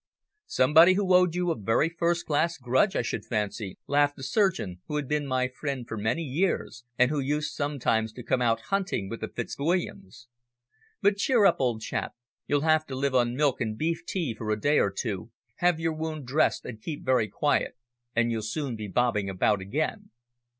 "Somebody who owed you a very first class grudge, I should fancy," laughed the surgeon, who had been my friend for many years and who used sometimes to come out hunting with the Fitzwilliams. "But cheer up, old chap, you'll have to live on milk and beef tea for a day or two, have jour wound dressed and keep very quiet, and you'll soon be bobbing about again."